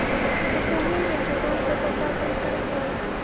زه پوهیږم چې تاسو به دا ترسره کړئ.